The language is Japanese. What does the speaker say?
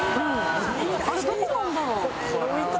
あれどこなんだろう？